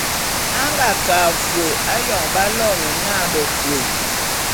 A nga ke a fôé ayon b'aloene na Bekôé.